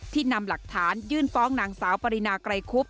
นำหลักฐานยื่นฟ้องนางสาวปรินาไกรคุบ